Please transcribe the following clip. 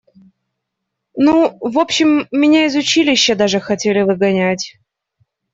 Ну, в общем, меня из училища даже хотели выгонять.